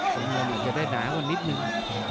คนมันอีกจะได้หนาวนิดนึง